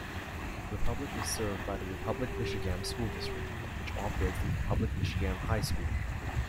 Republic is served by the Republic-Michigamme School District, which operates the Republic-Michigamme High School.